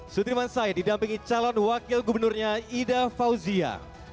sudirman said didampingi calon wakil gubernurnya ida fauzia